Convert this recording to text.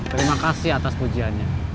terima kasih atas pujiannya